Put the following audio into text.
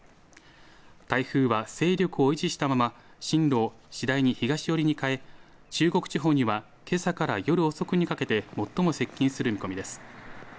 台風は勢力を維持したまま進路を次第に東寄りに変え中国地方にはけさから夜遅くにかけて最も接近する見込みです。